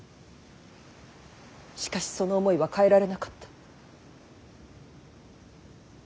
しかしその思いは変えられなかった。